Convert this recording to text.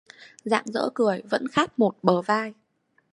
Rạng rỡ cười, vẫn khát một bờ vai